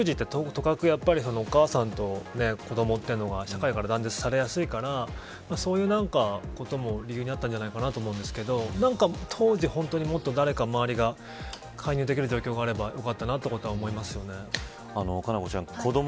特に育児中の事件ということで育児って、お母さんと子どもというのは社会から断絶されやすいからそういうことも理由にあったんじゃないかと思うんですけど当時、もっと本当に誰か周りが介入できる状況があればよかったなと思いますよね。